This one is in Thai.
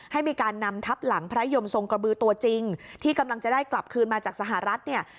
ให้มีการนำทับหลังพระยมทรงกระบือตัวจริงที่กำลังจะได้กลับคืนมาจากสหรัฐเนี่ย